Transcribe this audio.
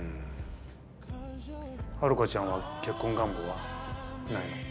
ハルカちゃんは結婚願望はないの？